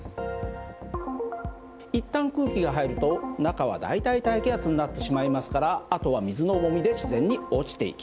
一旦空気が入ると中は大体大気圧になってしまいますからあとは水の重みで自然に落ちていきます。